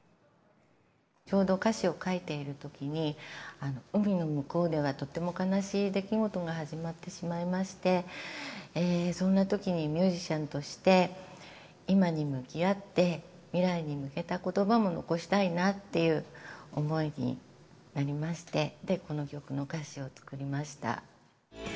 ちょうど歌詞を書いている時に、海の向こうではとても悲しい出来事が始まってしまいましてそんな時にミュージシャンとして今に向き合って未来に向けた言葉も残したいなっていう思いになりましてで、この曲の歌詞を作りました。